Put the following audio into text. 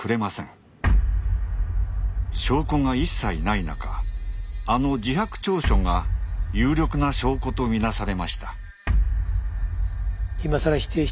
証拠が一切ない中あの自白調書が有力な証拠と見なされました。